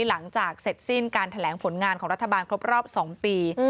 หลังจากเสร็จสิ้นการแถลงผลงานของรัฐบาลครบรอบ๒ปี